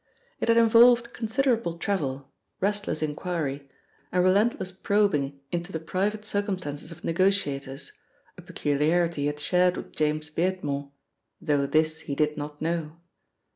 It had involved considerable travel, restless inquiry and relentless probing into the private circumstances of negotiators, a peculiarity he had shared with James Beardmore, though this he did not know.